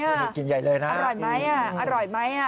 ได้กินใหญ่เลยนะอร่อยไหม